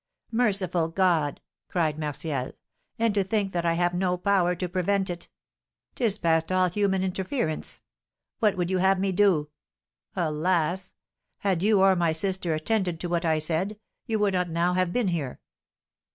"Merciful God!" cried Martial. "And to think that I have no power to prevent it! 'Tis past all human interference. What would you have me do? Alas! Had you or my sister attended to what I said, you would not now have been here."